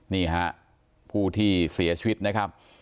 นี่ฮะผู้ที่เสียชีวิตนะครับ